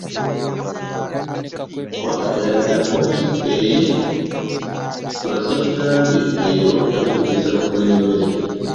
Wakkapa yaddamu, nti, eyee, kola ky'enkugambye leero bajja kukiriza bakuwe n'emmere.